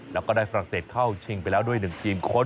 แล้วก็ได้ฝรั่งเศสเข้าชิงไปแล้วด้วย๑ทีมค้น